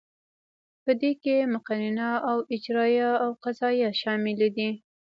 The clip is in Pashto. په دې کې مقننه او اجراییه او قضاییه شاملې دي.